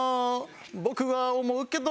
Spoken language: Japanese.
「僕は思うけど」